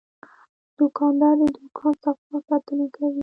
دوکاندار د دوکان صفا ساتنه کوي.